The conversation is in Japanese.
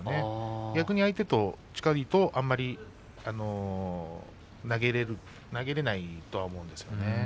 逆に相手としてはあまり投げられないと思うんですね。